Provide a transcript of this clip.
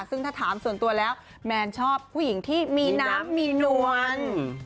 ซึ่งถ้าถามส่วนตัวแล้วแมนชอบผู้หญิงที่มีน้ำมีนวล